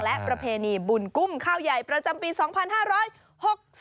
และประเพณีบุญกุ้มข้าวใหญ่ประจำปี๒๕๖๒